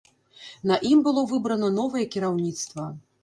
На ім было выбрана новае кіраўніцтва.